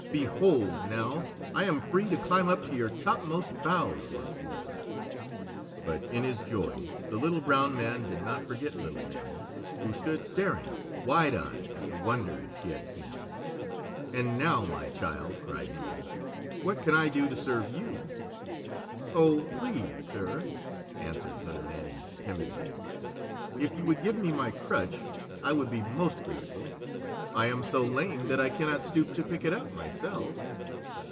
"Behold now I am free to climb up to your topmost boughs once more!" But in his joy the Little Brown Man did not forget Little Nannie, who stood staring, wide eyed, at the wonders she had seen. "And now, my child!" cried he, "what can I do to serve you?" "Oh, please, sir," answered Little Nannie timidly, "if you would give me my crutch, I would be most grateful. I am so lame that I cannot stoop to pick it up myself."